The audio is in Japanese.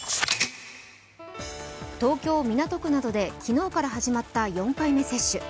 東京・港区などで昨日から始まった４回目接種。